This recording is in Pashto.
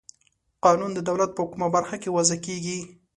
قانون د دولت په کومه برخه کې وضع کیږي؟